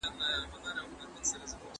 ما زده کړي چې ځان کنټرول کړم.